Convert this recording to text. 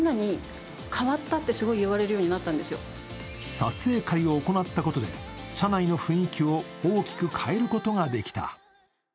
撮影会を行ったことで社内の雰囲気を大きく変えることができた。